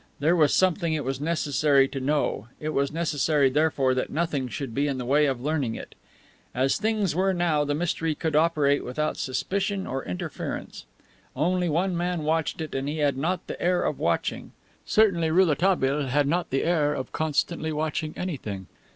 There was something it was necessary to know; it was necessary therefore that nothing should be in the way of learning it. As things were now, the mystery could operate without suspicion or interference. Only one man watched it, and he had not the air of watching. Certainly Rouletabille had not the air of constantly watching anything.